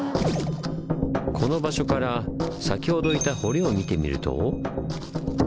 この場所から先ほどいた堀を見てみると。